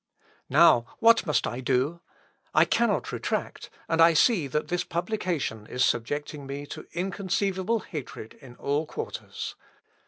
"Now, what must I do? I cannot retract, and I see that this publication is subjecting me to inconceivable hatred in all quarters.